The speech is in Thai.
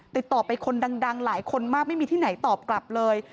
ติดต่อไปคนดังหลายคนมากไม่มีที่ไหนตอบกลับเลย